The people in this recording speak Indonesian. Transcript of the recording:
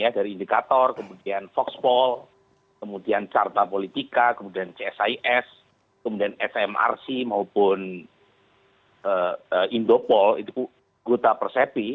dari indikator kemudian foxpol kemudian carta politika kemudian csis kemudian smrc maupun indopol itu gota persepi